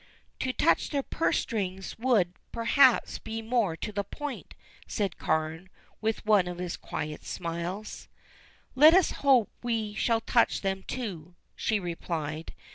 "To touch their purse strings would, perhaps, be more to the point," said Carne, with one of his quiet smiles. "Let us hope we shall touch them, too," she replied.